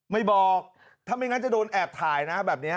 ไม่บอกถ้าไม่งั้นจะโดนแอบถ่ายนะแบบนี้